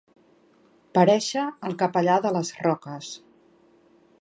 Parèixer el capellà de les roques.